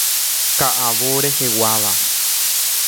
Ka'avo reheguáva.